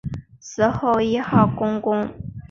死后谥号恭公。